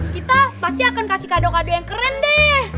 kita pasti akan kasih kado kado yang keren deh